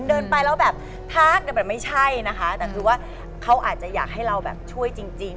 เดินไปแล้วแบบทักกันแบบไม่ใช่นะคะแต่คือว่าเขาอาจจะอยากให้เราแบบช่วยจริง